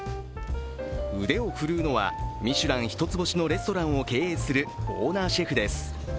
腕を振るうのはミシュラン１つ星のレストランを経営するオーナーシェフです。